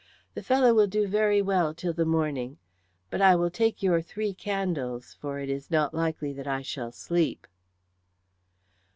The fellow will do very well till the morning. But I will take your three candles, for it is not likely that I shall sleep."